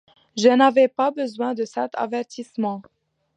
Je n'avais pas besoin de cet avertissement.